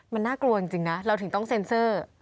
มันน่ากลัวจริงนะเราถึงต้องเซ็นเซอร์